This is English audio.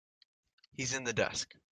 He's in the desk.